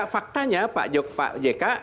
faktanya pak jk